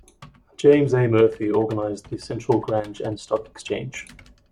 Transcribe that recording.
James A. Murphy organized the Central Grange and Stock Exchange.